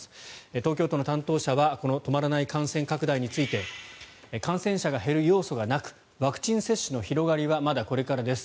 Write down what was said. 東京都の担当者はこの止まらない感染拡大について感染者が減る要素がなくワクチン接種の広がりはまだこれからです。